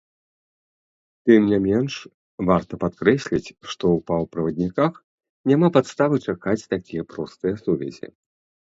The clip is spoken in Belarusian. Тым не менш, варта падкрэсліць, што ў паўправадніках няма падставы чакаць такія простыя сувязі.